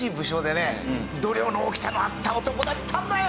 度量の大きさのあった男だったんだよ！